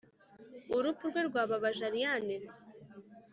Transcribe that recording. urupfu rwe rwababaje allayne?